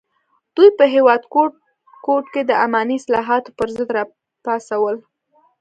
دوی په هېواد ګوټ ګوټ کې د اماني اصلاحاتو پر ضد راپاڅول.